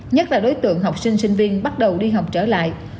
nhất là đối tượng học sinh sinh viên bắt đầu đi học trở lại